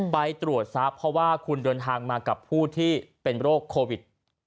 ไปตรวจทรัพย์เพราะว่าคุณเดินทางมากับผู้ที่เป็นโรคโควิด